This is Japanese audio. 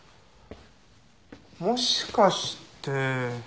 もしかして。